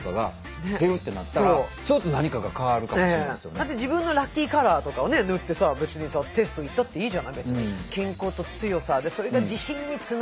だって自分のラッキーカラーとかを塗ってさ別にさテスト行ったっていいじゃない別に。